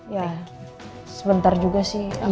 ya sebentar juga sih